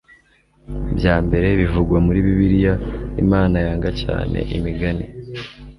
bya mbere bivugwa muri bibiliya imana yanga cyane imigani